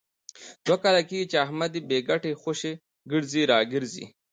دوه کاله کېږي، چې احمد بې ګټې خوشې ګرځي را ګرځي.